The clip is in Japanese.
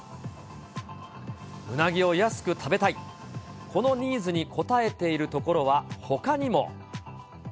うなぎを安く食べたい、このニーズに応えている所は、ほかにも。